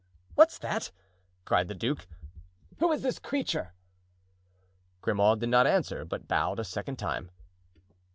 what's that?" cried the duke. "Who is this creature?" Grimaud did not answer, but bowed a second time.